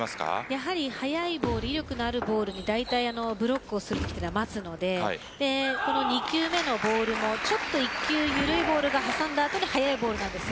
やはり速いボール威力のあるボールブロックしたら待つのでこの２球目のボールもちょっと１球緩いボールがはさんだあとで速いボールです。